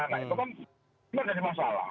nah itu kan benar benar masalah